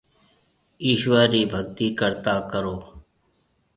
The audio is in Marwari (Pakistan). ايشوَر رِي ڀگتِي ڪرتا ڪرون۔